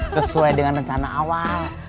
sesuai dengan rencana awal